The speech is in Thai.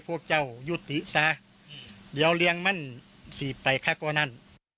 พวกเจ้าอยู่ติศาเดี๋ยวเรียงมันสีบไปค่ะกว่านั้น